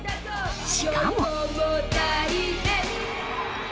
しかも。